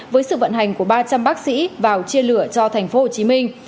với sự vận hành của ba trăm linh bác sĩ vào chia lửa cho thành phố hồ chí minh